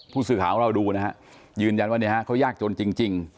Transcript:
ผู้ศึกหาของเราดูรวมยืนยันว่าเขายากจนจริง